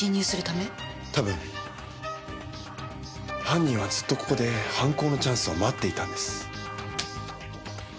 多分犯人はずっとここで犯行のチャンスを待っていたんです。